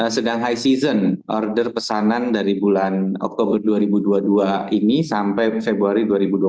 sedang high season order pesanan dari bulan oktober dua ribu dua puluh dua ini sampai februari dua ribu dua puluh